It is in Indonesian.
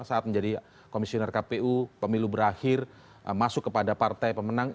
saat menjadi komisioner kpu pemilu berakhir masuk kepada partai pemenang